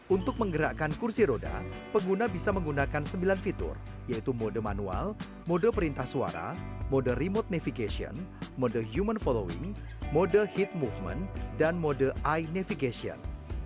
untuk menggerakkan kursi roda pengguna bisa menggunakan sembilan fitur yaitu mode manual mode perintah suara mode remote navigation mode human following model heat movement dan mode eye navigation